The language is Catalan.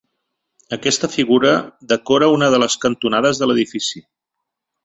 Aquesta figura decora una de les cantonades de l'edifici.